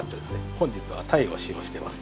本日は鯛を使用してます。